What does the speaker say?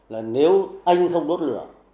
là nếu anh không đốt lửa